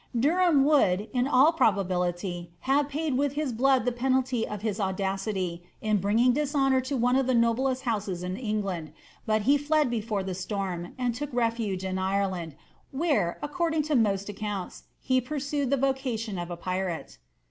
Derfaam would, in all probability, have paid with his blood the penalty of his audacity in bringing dishonour on one of the noblest houses in England, but he fled before the storm, and took refuge in Ireland, where, according to most accounts, he pursued the vocation of a pirate.